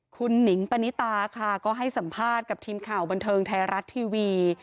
คุณหนิงปณิตาค่ะก็ให้สัมภาษณ์กับทีมข่าวบันเทิงไทยรัฐทีวี